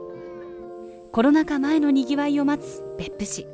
コロナ禍前のにぎわいを待つ別府市。